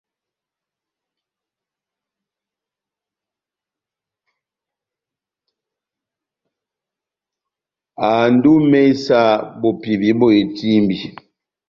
Ando ó imésa bopivi bó etímbi.